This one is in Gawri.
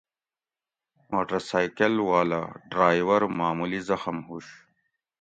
موٹر سائکل والہ ڈرائور معمولی زخم ھوُش